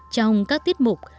trong các tiết mục